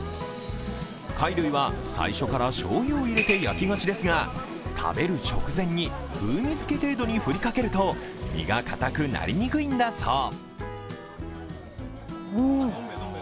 貝類は最初からしょうゆを入れて焼きがちですが食べる直前に風味づけ程度に振りかけると身が固くなりにくいんだそう。